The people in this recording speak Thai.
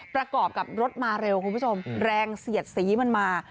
ประกอบกับรถมาเร็วคุณผู้ชมแรงเสียดสีมันมา